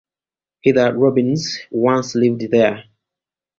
Heather Robbins once lived there.